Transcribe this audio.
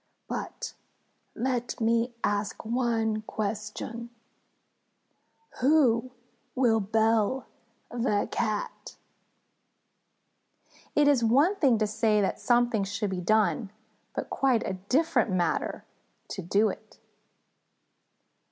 But let me ask one question: Who will bell the Cat?" _It is one thing to say that something should be done, but quite a different matter to do it.